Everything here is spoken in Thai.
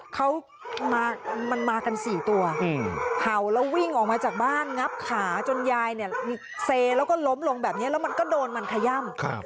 เขามันมากัน๔ตัวเห่าแล้ววิ่งออกมาจากบ้านงับขาจนยายเนี่ยเซแล้วก็ล้มลงแบบนี้แล้วมันก็โดนมันขย่ำ